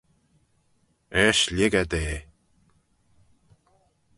Eisht lhig eh da.